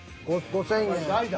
５，０００円。